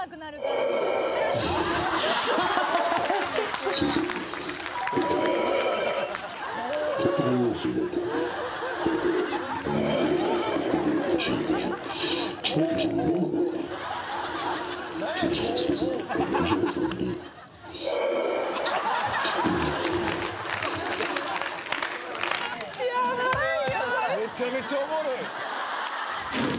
めちゃめちゃおもろい。